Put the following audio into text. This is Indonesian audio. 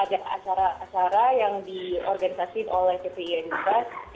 ada acara acara yang diorganisasin oleh vpe juga